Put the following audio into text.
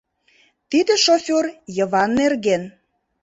Тиде шофёр Йыван нерген.